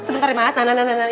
sebentar ya ma tahan tahan tahan